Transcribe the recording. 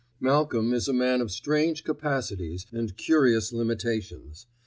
Malcolm is a man of strange capacities and curious limitations.